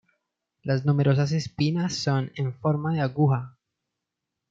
Las numerosas espinas son en forma de aguja.